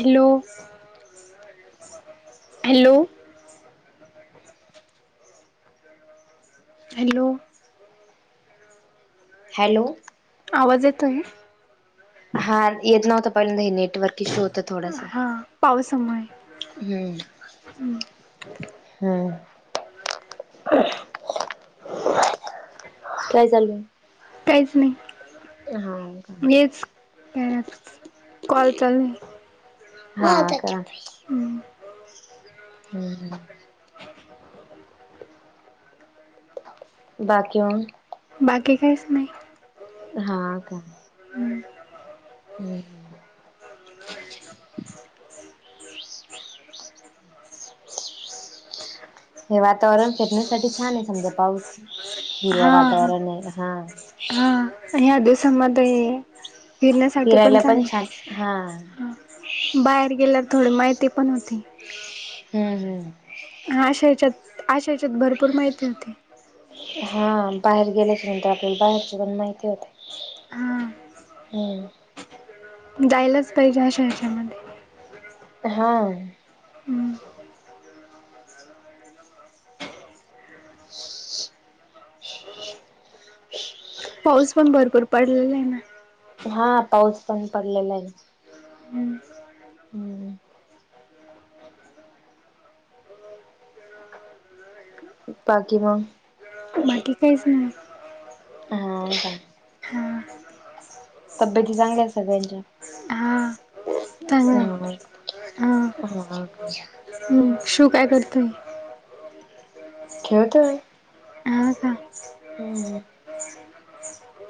Hello, hello. Hello! Hello, आवाज येतोय? हा, येत नव्हता पहिल्यांदा हे नेटवर्क इश्यू होतं थोडस. हा, पावसामुळे. हम्म. हम्म हम्म. काय चालय? काहीच हा का नाय हेच [unintelligible] कॉल चालूय. हा का? हम्म. हम्म. बाकी मग. बाकी काइच नाय. हा का? हम्म हम्. हे वातावरण फेटण्यासाठी छान आहे, समजा पाऊस. हिरव हा वातावरण हे हा. समत [inaudible] फिरण्यासाठी पण फिरायला जाण, छान हा हा बाहेर गेल्यावर थोडी माहिती पण होती. हम्म हम्म. हा आशा याच्यात आशा याच्यात भरपूर माहिती होती. हा बाहेर गेल्याच्या नंतर आपल्याला बाहेरचं पण माहिती होते. हा हम्म. जायलाचं पाहिजे अशा ह्याच्यामध्ये. हा. हम्म पाऊस पण भरपूर पडलेला आहे ना. हा पाऊस पण पडलेला आहे. हम्म हम्म. बाकी मग? बाकी काहीच नाही. हा का? हा. तब्येती चांगल्या आहेत सगळ्यांच्या? हा. चांगलं हा आहे मग? शु काय करतोय? खेळतोय. हा का हम्म.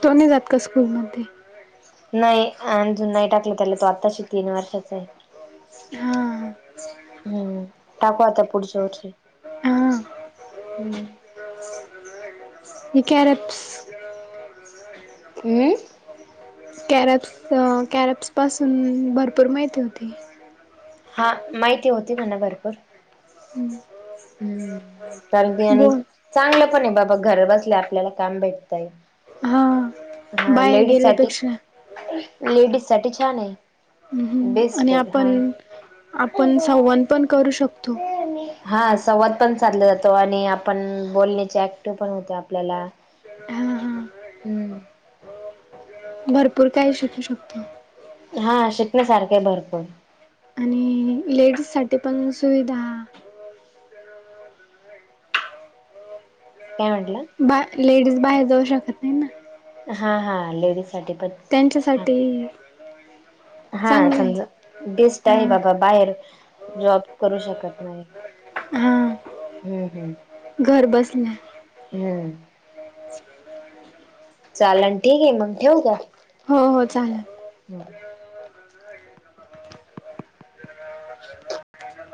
तो नाही जात का स्कूलमध्ये? नाही अजून नाही टाकलं त्याला तो आत्ताशी तीन वर्षाचाय. हा. टाकू आता पुढच्या वर्षी हम्म. [unintelligible] हे कॅरेप्स अम्म? कॅरप्स अ कॅरप्स पासून भरपूर माहिती होती. हा माहिती होती म्हणा भरपूर. हम्म. हम्म कारण की आणि चांगलं पण आहे बाबा घर बसल्या आपल्याला कामं भेटतंय. हा हा बाहेर लेडीजसाठी. गेल्यापेक्षा लेडीजसाठी छान आहे हम्म, आणि बेस्ट आहे हा. आपण आपण संवाद पण करू शकतो. हा संवाद पण साधला जातो आणि आपण बोलण्याचे ऍक्टिव पण होते आपल्याला. हा. हा हम्म. भरपूर काही शिकू शकतो. हा शिकण्यासारखे भरपूर. आणि लेडीजसाठी पण सुविधा काय म्हंटला? बा लेडीज बाहेर जाऊ शकत नाही ना? हा हा लेडीजसाठी पण छान त्यांच्यासाठी हा चांगलं आहे समजा बेस्ट आहे हां बाबा बाहेर जॉब करू शकत नाही हां हम्म हम्म. घर बसल्या हम्म. चालल ठीक आहे मग ठेऊ का? हो हो चालल. हम्म.